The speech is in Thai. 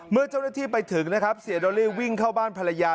เมื่อเจ้าหน้าที่ไปถึงนะครับเสียโดลี่วิ่งเข้าบ้านภรรยา